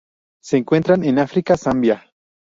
Se encuentran en África: Zambia